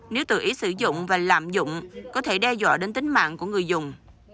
nếu tự ý sử dụng và lạm dụng có thể đe dọa đến tính mạng của người dùng